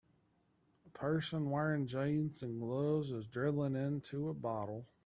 A person wearing jeans and gloves is drilling into a bottle.